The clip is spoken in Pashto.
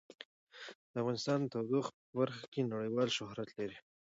افغانستان د تودوخه په برخه کې نړیوال شهرت لري.